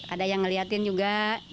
ada yang ngeliatin juga